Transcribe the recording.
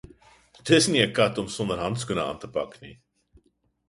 Dis nie ’n kat om sonder handskoene aan te pak nie